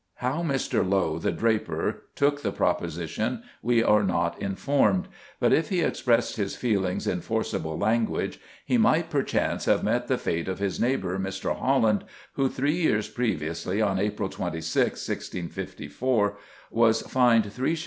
How Mr. Lowe, the draper, took the proposition we are not informed, but if he expressed his feelings in forcible language he might, perchance, have met the fate of his neighbour, Mr. Holland, who, three years previously, on April 26, 1654, "was fined 3s.